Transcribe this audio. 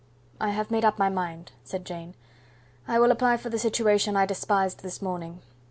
"I have made up my mind," said Jane; "I will apply for the situation I despised this morning.